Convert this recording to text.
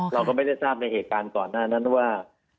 เราก็ไม่ได้ทราบในเหตุการณ์ก่อนหน้านั้นว่า